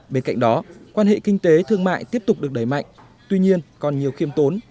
bên cạnh đó quan hệ kinh tế thương mại tiếp tục được đẩy mạnh tuy nhiên còn nhiều khiêm tốn